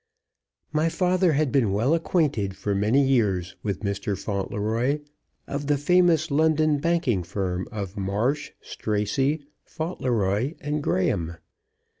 My father had been well acquainted for many years with Mr. Fauntleroy, of the famous London banking firm of Marsh, Stracey, Fauntleroy & Graham.